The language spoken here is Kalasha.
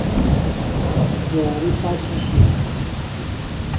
Juari pachi shian